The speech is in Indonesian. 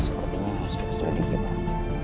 sepertinya harus kita selidiki pak